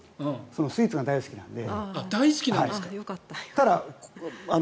スイーツが大好きなので。